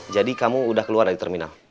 jadi kamu udah keluar dari terminal